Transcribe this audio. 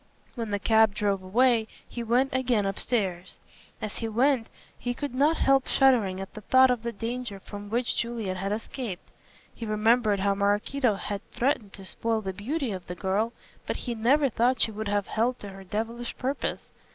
When the cab drove away he went again upstairs. As he went he could not help shuddering at the thought of the danger from which Juliet had escaped. He remembered how Maraquito had threatened to spoil the beauty of the girl, but he never thought she would have held to her devilish purpose.